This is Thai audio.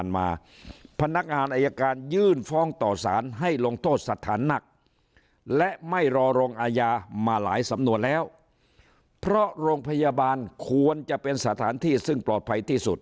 มาหลายสำนวนแล้วเพราะโรงพยาบาลควรจะเป็นสถานที่ซึ่งปลอดภัยที่สุด